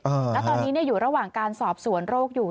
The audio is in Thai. แล้วตอนนี้อยู่ระหว่างการสอบสวนโรคอยู่